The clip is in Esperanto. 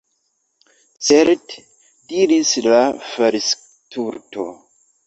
"Certe," diris la Falsturto.